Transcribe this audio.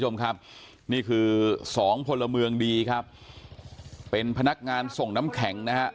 คุณผู้ชมครับนี่คือสองพลเมืองดีครับเป็นพนักงานส่งน้ำแข็งนะฮะ